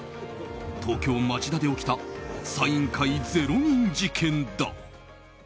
東京・町田で起きたサイン会０人事件だ。